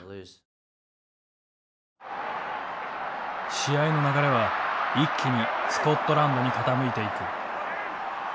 試合の流れは一気にスコットランドに傾いていく。